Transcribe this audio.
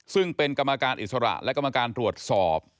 ซึ่งเป็นกรรมการอิสระและกรรมการตรวจสอบ